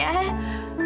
aku mau tidur